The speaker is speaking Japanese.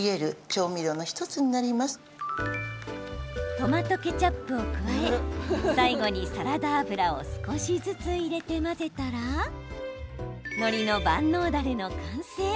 トマトケチャップを加え最後にサラダ油を少しずつ入れて混ぜたらのりの万能ダレの完成。